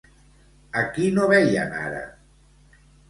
A qui no veien ara?